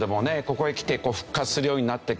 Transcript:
ここへきて復活するようになってきた。